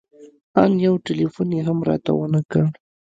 ان يو ټېلفون يې هم راته ونه کړ.